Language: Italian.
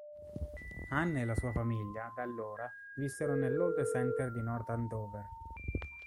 Anne e la sua famiglia da allora vissero nell’Old Center di North Andover.